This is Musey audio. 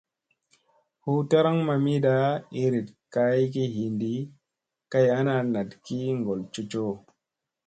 Hu taraŋ mamida iiriɗ kayki hinɗi kay ana naɗ ki ŋgol cocoo.